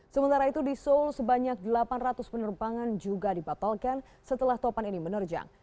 sementara itu di seoul sebanyak delapan ratus penerbangan juga dibatalkan setelah topan ini menerjang